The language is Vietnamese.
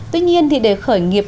tuy nhiên thì để khởi nghiệp